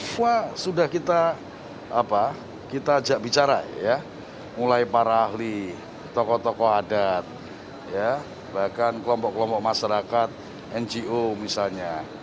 semua sudah kita ajak bicara ya mulai para ahli tokoh tokoh adat bahkan kelompok kelompok masyarakat ngo misalnya